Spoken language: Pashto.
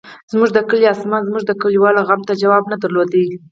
زموږ د کلي اسمان زموږ د کلیوالو غم ته جواب نه درلود.